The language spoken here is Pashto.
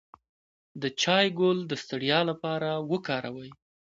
د چای ګل د ستړیا لپاره وکاروئ